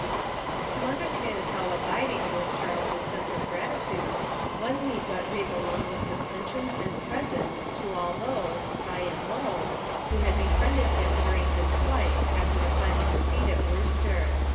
To understand how abiding was Charles's sense of gratitude one need but read the long list of pensions and presents to all those, high and low, who had befriended him during his flight after the final defeat at Worcester.